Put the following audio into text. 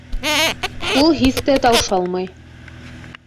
Ул һис тә таушалмай